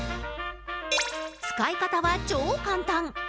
使い方は超簡単。